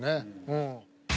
うん。